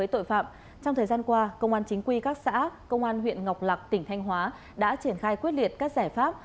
trong thời gian qua công an chính quy các xã công an huyện ngọc lạc tỉnh thanh hóa đã triển khai quyết liệt các giải pháp